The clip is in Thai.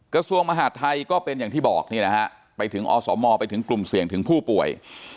กระทรวงมหาดไทยก็เป็นอย่างที่บอกนี่นะฮะไปถึงอสมไปถึงกลุ่มเสี่ยงถึงผู้ป่วย